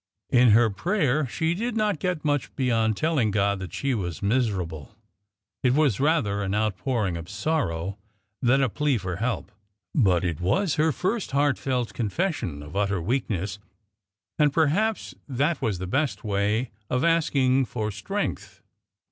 In her prayer she did not get much beyond telling God that she was miserable. It was rather an outpouring of sorrow than a plea for help. But it was her first heartfelt confession of utter weakness, and perhaps that was the best way of asking for strength.